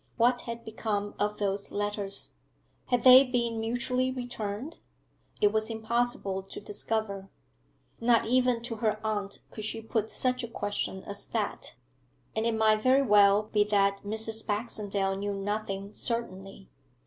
What had become of those letters? Had they been mutually returned? It was impossible to discover. Not even to her aunt could she put such a question as that; and it might very well be that Mrs. Baxendale knew nothing certainly.